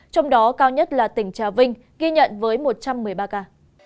trong đó cao nhất là tỉnh trà vinh ghi nhận với một trăm một mươi ba ca